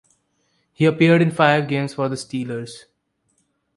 He appeared in five games for the Steelers.